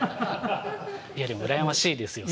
いやでも羨ましいですよ。